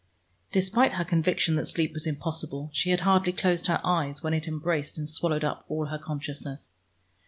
Despite her conviction that sleep was impossible, she had hardly closed her eyes, when it embraced and swallowed up all her consciousness.